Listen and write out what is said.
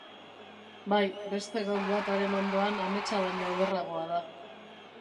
Bai, beste gau bat haren ondoan ametsa baino ederragoa da.